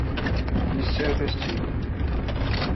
Yessared-as-tt-id.